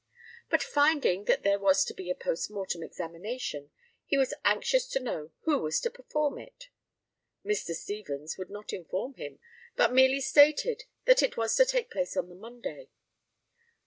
But finding that there was to be a post mortem examination, he was anxious to know who was to perform it. Mr. Stevens would not inform him, but merely stated that it was to take place on the Monday.